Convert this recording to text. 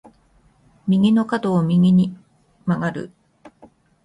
道の角を右に曲がる。